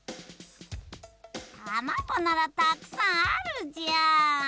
たまごならたくさんあるじゃーん。